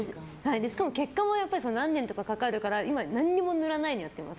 しかも結果も何年とかかかるから今、何も塗らないのやってます。